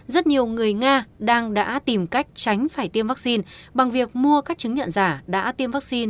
rất nhiều người nga đang đã tìm cách tránh phải tiêm vaccine bằng việc mua các chứng nhận giả đã tiêm vaccine